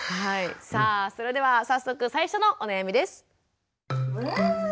さあそれでは早速最初のお悩みです。